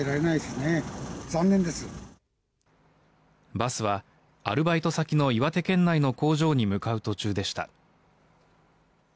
バスはアルバイト先の岩手県内の工場に向かう途中でした。